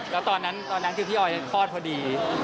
แล้วตอนนั้นคือพี่ออยคลอดพอดี